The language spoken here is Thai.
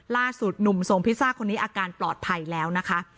ล่าสุดหนุ่มทรงพิซซ่าคนนี้อาการปลอดภัยแล้วนะคะ